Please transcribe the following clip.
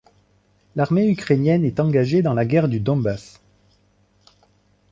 L'armée ukrainienne est engagée dans la guerre du Donbass.